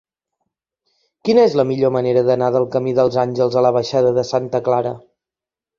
Quina és la millor manera d'anar del camí dels Àngels a la baixada de Santa Clara?